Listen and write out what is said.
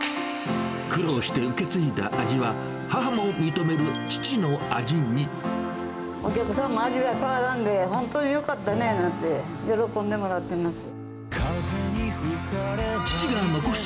苦労して受け継いだ味は、お客さんも、味が変わらんで本当によかったねなんて、喜んでもらってます。